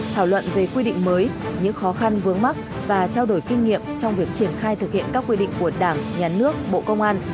thảo luận về quy định mới những khó khăn vướng mắt và trao đổi kinh nghiệm trong việc triển khai thực hiện các quy định của đảng nhà nước bộ công an